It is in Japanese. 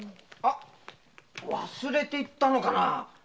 あ忘れていったのかな？